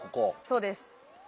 そうです。